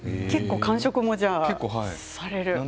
結構、間食もされる。